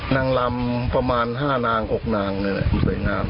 นางลำประมาณ๕นาง๖นางเลยนะครับสวยงาม